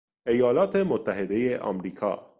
ایالات متحدهی امریکا